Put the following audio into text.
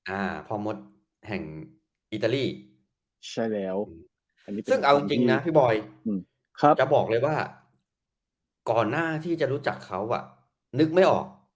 อ่าพ่อมดแห่งอิตาลีใช่แล้วซึ่งเอาจริงจริงนะพี่บอยจะบอกเลยว่าก่อนหน้าที่จะรู้จักเขาอ่ะนึกไม่ออก